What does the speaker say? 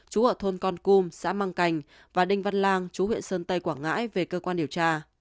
chú ở thôn con cum xã mang cành và đinh văn lang chú huyện sơn tây quảng ngãi về cơ quan điều tra